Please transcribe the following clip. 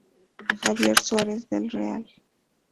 Javier Suárez del Real.